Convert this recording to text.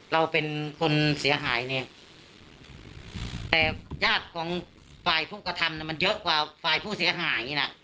เราเป็นคนเสียหายเนี่ยแต่ญาติของฝ่ายผู้กระทำมันเยอะกว่าฝ่ายผู้เสียหายนะ